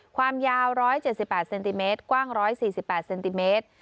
ความยาวร้อยเจ็ดสิบแปดเซนติเมตรกว้างร้อยสี่สิบแปดเซนติเมตร